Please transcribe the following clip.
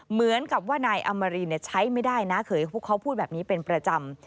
เหมือนกับว่านายอมรีนใช้ไม่ได้นะเขาพูดแบบนี้เป็นประจำ